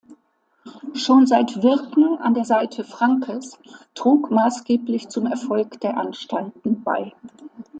Schon seit Wirken an der Seite Franckes trug maßgeblich zum Erfolg der Anstalten bei.